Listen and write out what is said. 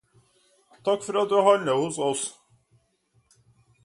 Takk for at du handler hos oss!